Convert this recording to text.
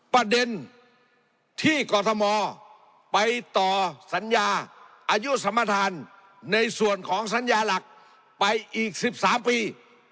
ประเด็นที่กรทมไปต่อสัญญาอายุสมทานในส่วนของสัญญาหลักไปอีก๑๓ปี